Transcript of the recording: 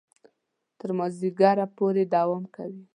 تر مازیګره پورې دوام کوي.